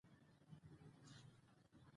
ادبي غونډې د پوهې د زیاتوالي سبب ګرځي.